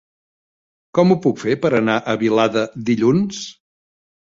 Com ho puc fer per anar a Vilada dilluns?